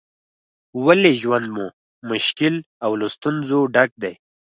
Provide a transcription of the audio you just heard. ولې ژوند مو مشکل او له ستونزو ډک دی؟